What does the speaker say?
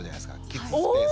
キッズスペース。